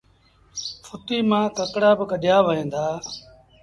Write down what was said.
ڦُٽيٚ مآݩ ڪڪڙآ با ڪڍيآ وهيݩ دآ